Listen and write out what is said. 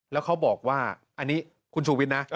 แล้วเขาบอกว่าอันนี้คุณชูวิทย์นะ